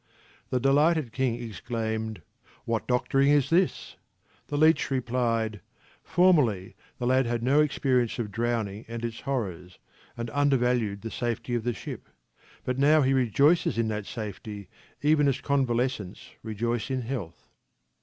The delighted king ex claimed :" What doctoring is this? " The leech replied, " Formerly the lad had no experience of drowning and its horrors, and undervalued the safety of the ship, but now he rejoices in that safety even as convalescents rejoice in health."